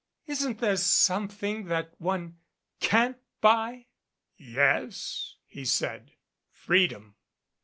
Isn't there something that one can't buy?" "Yes," he said. "Freedom."